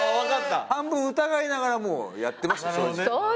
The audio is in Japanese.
半分疑いながらもうやってました正直。